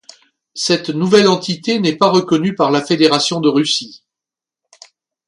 Cette nouvelle entité n'est pas reconnue par la Fédération de Russie.